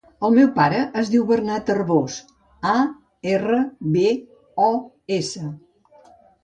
El meu pare es diu Bernat Arbos: a, erra, be, o, essa.